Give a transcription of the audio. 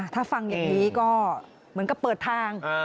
ถ้าฟังอย่างนี้ก็เหมือนกับเปิดทาง